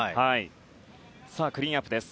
クリーンアップです。